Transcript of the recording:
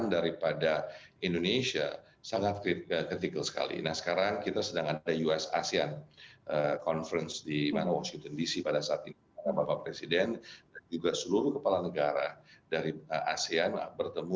dari asean bertemu